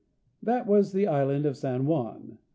That was the island of San Juan.